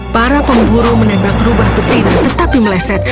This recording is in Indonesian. para pemburu menembak rubah betina tetapi meleset